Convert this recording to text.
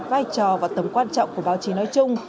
vai trò và tầm quan trọng của báo chí nói chung